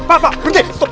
pak pak berhenti